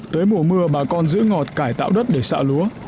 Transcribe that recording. tới mùa mưa bà con giữ ngọt cải tạo đất để xạ lúa